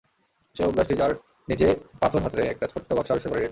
সেই ওকগাছটি, যার নিচে পাথর হাতড়ে একটা ছোট্ট বাক্স আবিষ্কার করে রেড।